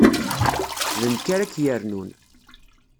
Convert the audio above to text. D nekk ara k-yernun.